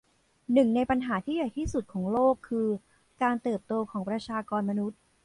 หนึ่งในปัญหาที่ใหญ่ที่สุดของโลกคือการเติบโตของประชากรมนุษย์